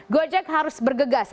gojek harus bergegas